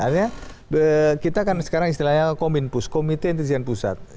sekarang kita istilahnya komitensi yang pusat